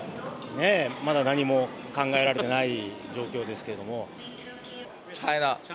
ねぇ、まだ何も考えられてない状況ですけれども。